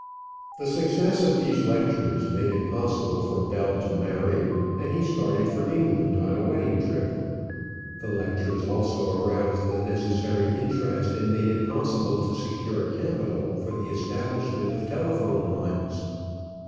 The success of these lectures made it possible for Bell to marry, and he started for England on a wedding trip. The lectures also aroused the necessary interest and made it possible to secure capital for the establishment of telephone lines.